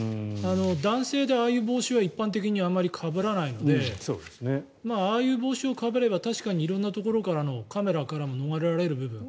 男性でああいう帽子は一般的にあまりかぶらないのでああいう帽子をかぶれば確かに色んなところのカメラからも逃れられる部分。